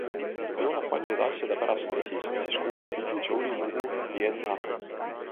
Kui olen paljude asjade pärast stressis, siis kuulan Billy Joeli lugu "Vienna".